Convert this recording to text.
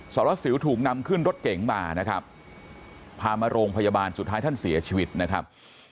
สารวัสสิวถูกนำขึ้นรถเก๋งมานะครับพามาโรงพยาบาลสุดท้ายท่านเสียชีวิตนะครับ